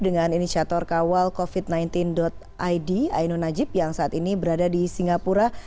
dengan inisiator kawal covid sembilan belas id ainun najib yang saat ini berada di singapura